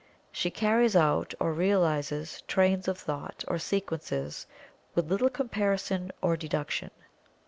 She carries out, or realizes, trains of thought, or sequences with little comparison or deduction.